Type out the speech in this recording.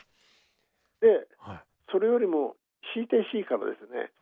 でそれよりもＣＴＣからですね